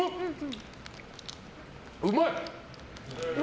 うまい！